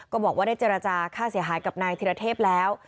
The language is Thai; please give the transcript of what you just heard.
ก็บอกว่าได้เจรจาค่าเสียหายกับนายธิรเทพแล้ว